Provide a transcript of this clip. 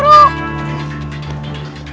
rumahnya sepi guru